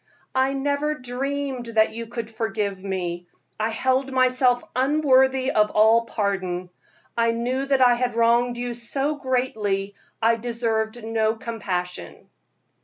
I never dreamed that you could forgive me; I held myself unworthy of all pardon. I knew that I had wronged you so greatly, I deserved no compassion."